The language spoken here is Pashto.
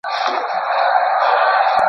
وئېل ئې چې ناياب نۀ دی خو ډېر ئې پۀ ارمان دي ,